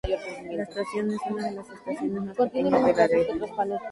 La estación es una de las estaciones más pequeñas de la red.